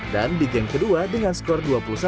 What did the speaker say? dan di game kedua dengan skor dua puluh satu tujuh belas